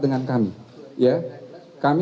kenapa datang dan debat dengan kami